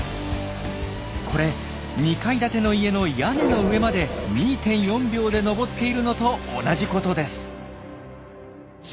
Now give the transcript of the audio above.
これ２階建ての家の屋根の上まで２．４秒で登っているのと同じことです。